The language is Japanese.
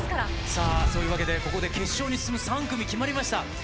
さあ、そういうわけでここで決勝に進む３組決まりました。